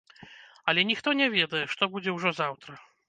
Але ніхто не ведае, што будзе ўжо заўтра.